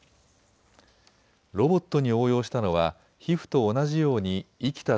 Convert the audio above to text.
ロボットに応用したのは皮膚と同じように生きた